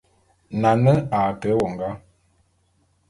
Nane a ke éwongá.